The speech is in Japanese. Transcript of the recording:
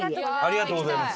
ありがとうございます。